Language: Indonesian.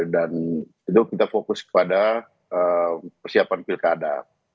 dan itu kita fokus kepada persiapan pilkada